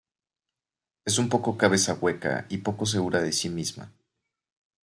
Es un poco cabeza hueca y poco segura de sí misma.